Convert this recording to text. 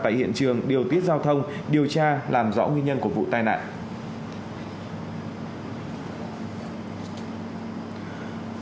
tại hiện trường điều tiết giao thông điều tra làm rõ nguyên nhân của vụ tai nạn